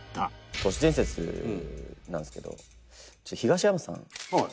都市伝説なんですけどちょっと東山さん。